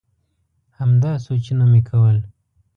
همدا سوچونه مي کول ؟